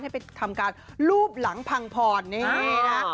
ให้ไปทำการรูปหลังพังพรนี่นะฮะ